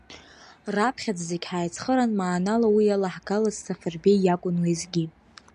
Раԥхьаӡа зегь ҳаицхыраан маанала уи иалаҳгалаз Сафарбеи иакәын уеизгьы.